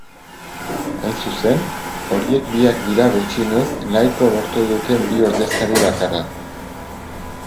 Hain zuzen, horiek biak dira gutxienez nahiko lortu duten bi ordezkari bakarrak.